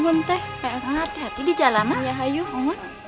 berasa lebih feels